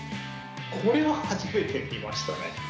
これは初めて見ましたね。